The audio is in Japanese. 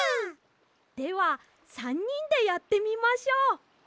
では３にんでやってみましょう！